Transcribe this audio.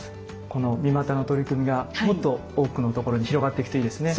この三股の取り組みがもっと多くのところに広がっていくといいですね。